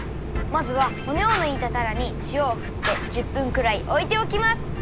まずはほねをぬいたたらにしおをふって１０分くらいおいておきます。